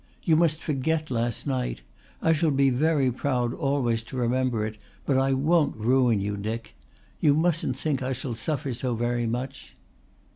You must forget last night. I shall be very proud always to remember it, but I won't ruin you, Dick. You mustn't think I shall suffer so very much